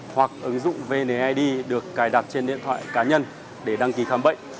hoặc ứng dụng vnid được cài đặt trên điện thoại cá nhân để đăng ký khám bệnh